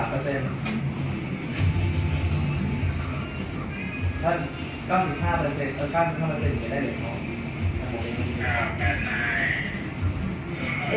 ๙๕เปอร์เซ็นต์เออ๙๕เปอร์เซ็นต์ยังไม่ได้๑ต่อ